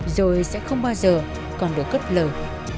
rồi sẽ không bao giờ còn được cất lời